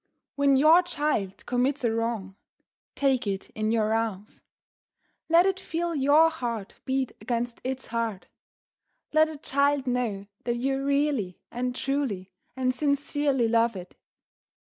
When your child commits a wrong, take it in your arms; let it feel your heart beat against its heart; let the child know that you really and truly and sincerely love it.